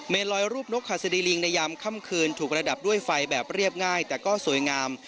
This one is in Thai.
ลอยรูปนกหัสดีลิงในยามค่ำคืนถูกระดับด้วยไฟแบบเรียบง่ายแต่ก็สวยงาม